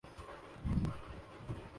ایسا نہیں ہوا۔